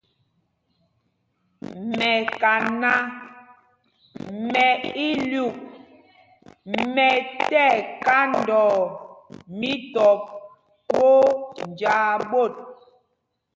Mɛkaná mɛ ílyûk mɛ ti ɛkandɔɔ mítɔp twóó njāā ɓot.